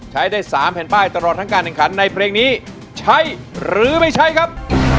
ใช้ได้๓แผ่นป้ายตลอดทั้งการแข่งขันในเพลงนี้ใช้หรือไม่ใช้ครับ